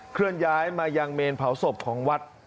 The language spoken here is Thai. เคลื่อนย้ายมายังเมนเผาศพของวัด